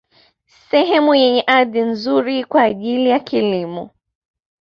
Sehemu yenye ardhi nzuri kwa ajili ya kilimo